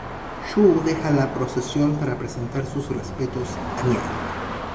Zhu deja la procesión para presentar sus respetos a Liang.